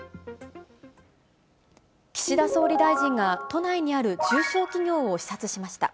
岸田総理大臣が、都内にある中小企業を視察しました。